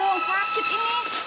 arman arman diimpan pelan kamu